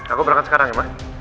aku berangkat sekarang ya pak